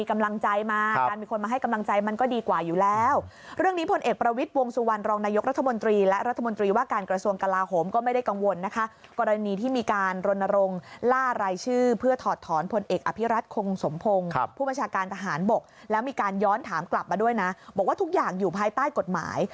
มีการย้อนถามกลับมาด้วยนะบอกว่าทุกอย่างอยู่ภายใต้กฎหมาย